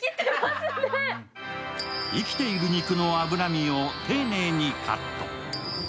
生きている肉の脂身を丁寧にカット。